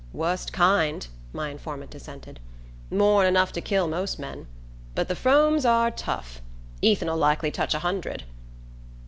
"Wust kind," my informant assented. "More'n enough to kill most men. But the Fromes are tough. Ethan'll likely touch a hundred."